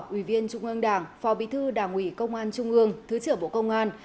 ủy viên trung ương đảng phó bí thư đảng ủy công an trung ương thứ trưởng bộ công an